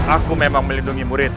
aku memang melindungi muridmu